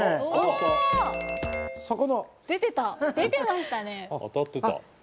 当たってた。